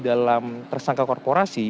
dalam tersangka korporasi